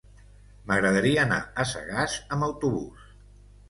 M'agradaria anar a Sagàs amb autobús.